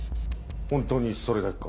本当にそれだけか？